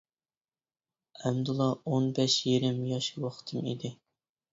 ئەمدىلا ئون بەش يېرىم ياش ۋاقتىم ئىدى.